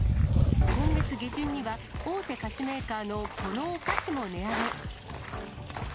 今月下旬には、大手菓子メーカーのこのお菓子も値上げ。